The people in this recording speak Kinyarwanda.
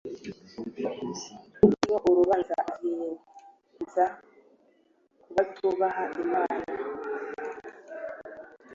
utariho urubanza aziyenza ku batubaha Imana